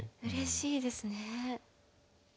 うれしいですね。